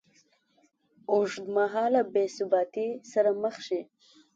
ه اوږدمهاله بېثباتۍ سره مخ شي